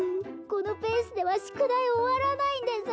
このペースでは宿題終わらないんです